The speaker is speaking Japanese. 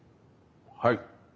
はい。